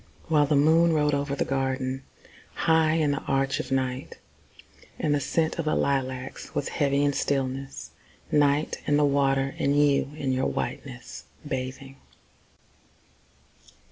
While the moon rode over the garden, High in the arch of night, And the scent of the lilacs was heavy with stillness. Night, and the water, and you in your whiteness, bathing!